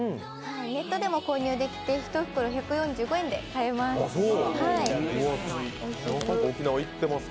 ネットでも購入できて１袋１４５円で購入できます。